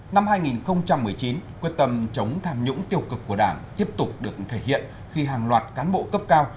năm hai nghìn một mươi chín quyết tâm chống tham nhũng tiêu cực của đảng tiếp tục được thể hiện khi hàng loạt cán bộ cấp cao